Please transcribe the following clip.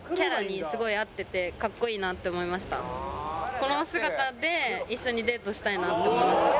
この姿で一緒にデートしたいなって思いましたね。